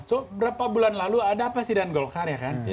so berapa bulan lalu ada apa sih dengan golkar ya kan